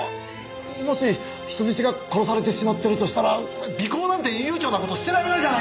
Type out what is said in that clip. もし人質が殺されてしまってるとしたら尾行なんて悠長な事してられないじゃないか！